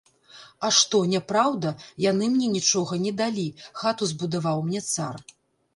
А што, няпраўда, яны мне нічога не далі, хату збудаваў мне цар.